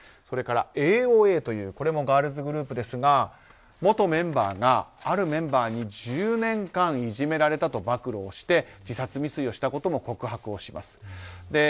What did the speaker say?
それから、ＡＯＡというこれもガールズグループですが元メンバーが、あるメンバーに１０年間いじめられたと暴露して、自殺未遂をしたことも告白します。